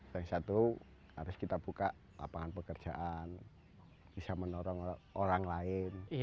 yang satu harus kita buka lapangan pekerjaan bisa mendorong orang lain